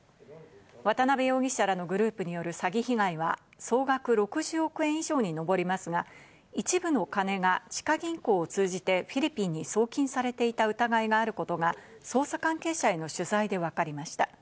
渡辺容疑者らのグループによる詐欺被害は総額６０億円以上にのぼりますが、一部の金が地下銀行を通じてフィリピンに送金されていた疑いがあることが捜査関係者への取材でわかりました。